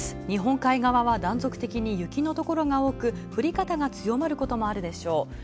日本海側は断続的に雪のところが多く、降り方が強まるところもあるでしょう。